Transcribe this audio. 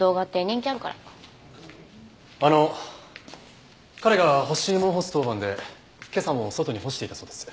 あの彼が干し芋を干す当番で今朝も外に干していたそうです。